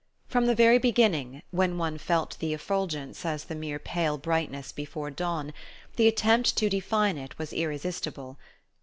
From the very beginning, when one felt the effulgence as the mere pale brightness before dawn, the attempt to define it was irresistible.